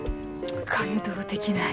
感動できない。